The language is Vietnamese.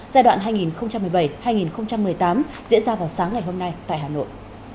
giai đoạn hai nghìn một mươi bảy hai nghìn một mươi tám diễn ra vào sáng ngày hôm nay tại hà nội